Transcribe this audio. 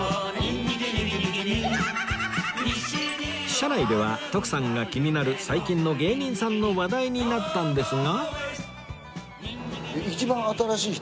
車内では徳さんが気になる最近の芸人さんの話題になったんですが